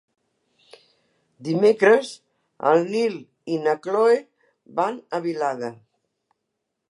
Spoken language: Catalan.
Dimecres en Nil i na Cloè van a Vilada.